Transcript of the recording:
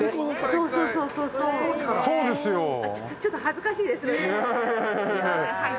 ちょっと恥ずかしいですね。